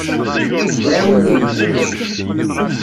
Iɛawen-iyi.